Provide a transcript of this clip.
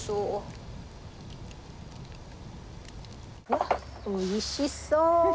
わっおいしそう！